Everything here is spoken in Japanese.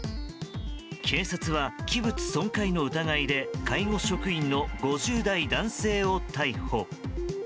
警察は器物損壊の疑いで介護職員の５０代男性を逮捕。